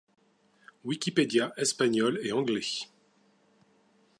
Wikipedias espagnol et anglais.